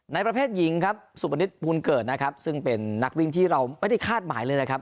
ประเภทหญิงครับสุปณิชย์ภูลเกิดนะครับซึ่งเป็นนักวิ่งที่เราไม่ได้คาดหมายเลยนะครับ